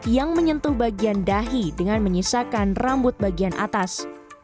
yang menyentuh bagian dahi dengan menyisakan rambut bagian atas